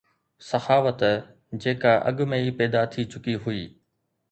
سخاوت جيڪا اڳ ۾ ئي پيدا ٿي چڪي هئي